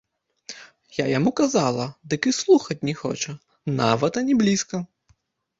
Я яму казала, дык і слухаць не хоча, нават ані блізка!